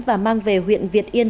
và mang về huyện việt yên